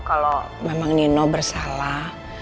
kalau memang nino bersalah